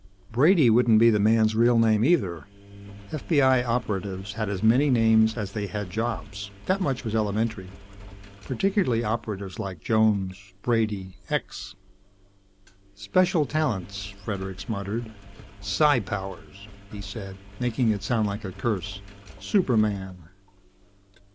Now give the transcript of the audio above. Brady wouldn't be the man's real name, either. FBI Operatives had as many names as they had jobs, that much was elementary. Particularly operatives like Jones Brady X. "Special talents," Fredericks muttered. "Psi powers," he said, making it sound like a curse. "Superman."